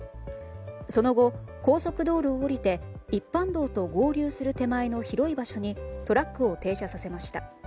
その後、高速道路を降りて一般道と合流する前の広い場所にトラックを停車させました。